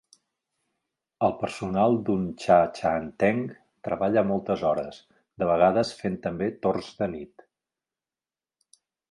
El personal d'un "cha chaan teng" treballa moltes hores, de vegades fent també torns de nit.